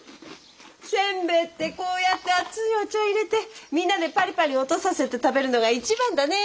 煎餅ってこうやって熱いお茶いれてみんなでパリパリ音させて食べるのが一番だね